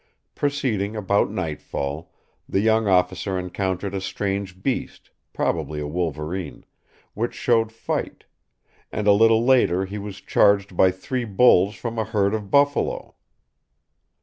Proceeding about nightfall, the young officer encountered a strange beast, probably a wolverine, which showed fight; and a little later he was charged by three bulls from a herd of buffalo.